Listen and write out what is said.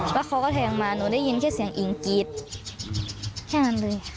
แล้วเขาก็แทงมาหนูได้ยินแค่เสียงอิงกรี๊ดแค่นั้นเลย